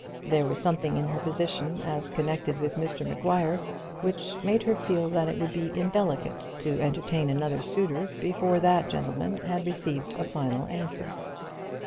There was something in her position as connected with Mr Maguire which made her feel that it would be indelicate to entertain another suitor before that gentleman had received a final answer.